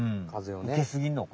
受けすぎんのか。